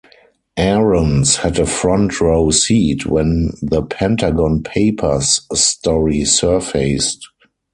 Aarons had a front-row seat when the "Pentagon Papers" story surfaced.